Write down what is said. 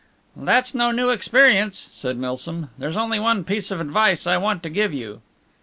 "That's no new experience," said Milsom, "there's only one piece of advice I want to give you."